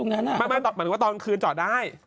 ไม่เหมือนตอนคืนจาดได้